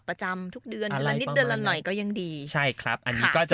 ประจำทุกเดือนเดือนละนิดเดือนละหน่อยก็ยังดีใช่ครับอันนี้ก็จะ